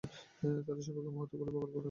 তারা সৌভাগ্যের মূহুর্তগুলো কল্পনা করে?